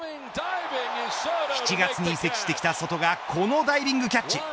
７月に移籍してきたソトがこのダイビングキャッチ。